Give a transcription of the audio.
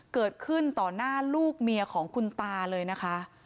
เกิดขึ้นต่อหน้าลูกเมียของคุณตาเลยนะคะ